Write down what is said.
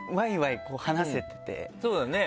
そうだね。